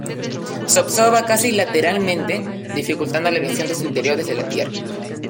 Se observa casi lateralmente, dificultando la visión de su interior desde la Tierra.